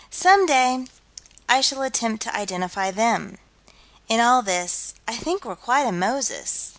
Some day I shall attempt to identify them. In all this, I think we're quite a Moses.